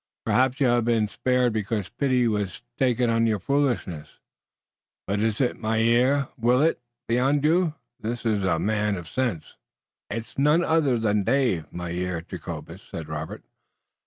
Perhaps you haf been spared because pity wass taken on your foolishness. But iss it Mynheer Willet beyond you? That iss a man of sense." "It's none other than Dave, Mynheer Jacobus," said Robert.